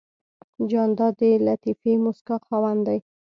جانداد د لطیفې موسکا خاوند دی.